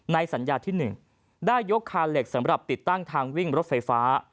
สัญญาที่๑ได้ยกคาเหล็กสำหรับติดตั้งทางวิ่งรถไฟฟ้า